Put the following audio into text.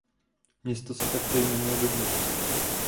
Město se takto jmenuje dodnes.